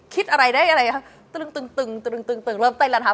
คิดอะไรได้อะไรคะตึงเริ่มเต้นแล้วนะคะ